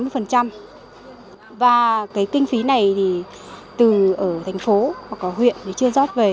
và cái kinh phí này thì từ ở thành phố hoặc ở huyện thì chưa rót về